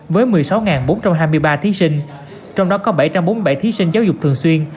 với một mươi sáu bốn trăm hai mươi ba thí sinh trong đó có bảy trăm bốn mươi bảy thí sinh giáo dục thường xuyên